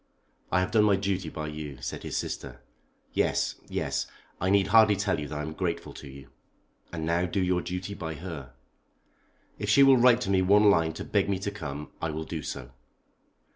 "I have done my duty by you," said his sister. "Yes, yes. I need hardly tell you that I am grateful to you." "And now do your duty by her." "If she will write to me one line to beg me to come I will do so."